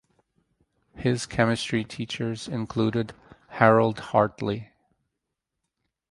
His chemistry teachers included Harold Hartley.